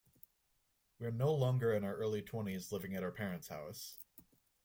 We are no longer in our early twenties living at our parents' house.